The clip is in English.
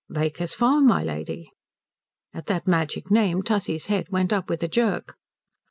"Baker's Farm, my lady." At that magic name Tussie's head went up with a jerk.